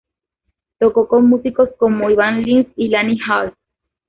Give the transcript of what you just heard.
Tocó con músicos como Ivan Lins y Lani Hall.